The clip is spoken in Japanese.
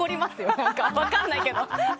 なんか、分かんないけど。